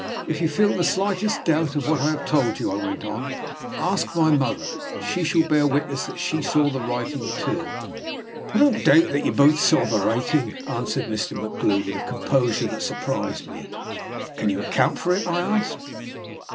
"If you feel the slightest doubt of what I have told you," I went on, "ask my mother; she will bear witness that she saw the writing too." "I don't doubt that you both saw the writing," answered Mr. MacGlue, with a composure that surprised me. "Can you account for it?" I asked.